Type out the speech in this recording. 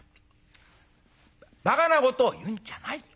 「ばかなことを言うんじゃないよ。